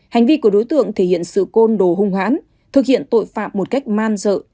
hành vi của đối tượng thể hiện sự côn đồ hung hãn thực hiện tội phạm một cách man dợ